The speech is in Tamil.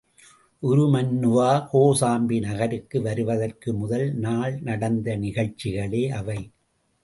உருமண்ணுவா கோசாம்பி நகருக்கு வருவதற்கு முதல் நாள் நடந்த நிகழ்ச்சிகளே அவை.